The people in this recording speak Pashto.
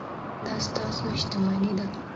دا ستاسو شتمني ده.